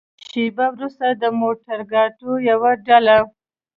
شېبه وروسته د موترګاټو يوه ډله.